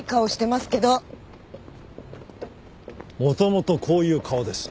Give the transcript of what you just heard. もともとこういう顔です。